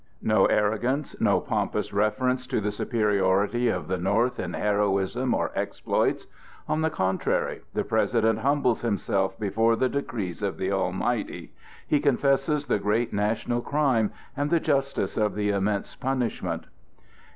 No arrogance, no pompous reference to the superiority of the North in heroism or exploits! On the contrary, the President humbles himself before the decrees of the Almighty, he confesses the great national crime and the justice of the immense punishment.